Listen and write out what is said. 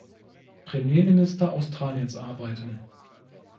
Premierminister Australiens arbeiten.